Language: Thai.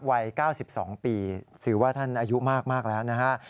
วัย๙๒ปีถือว่าท่านอายุมากแล้วนะฮะ